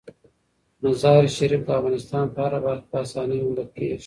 مزارشریف د افغانستان په هره برخه کې په اسانۍ موندل کېږي.